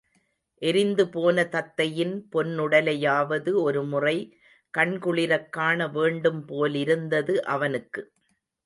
எரிந்து போன தத்தையின் பொன்னுடலையாவது ஒரு முறை கண்குளிரக் காண வேண்டும் போலிருந்தது அவனுக்கு.